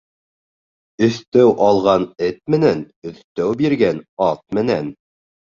Өҫтәү алған эт менән өҫтәү биргән ат менән.